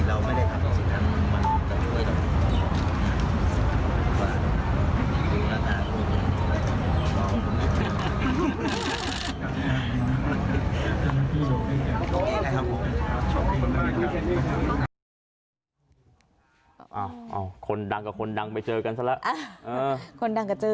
อ้าวคนดังกับคนดังไปเจอกันซะละ